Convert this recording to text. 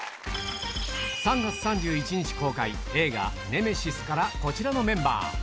３月３１日公開、映画ネメシスからこちらのメンバー。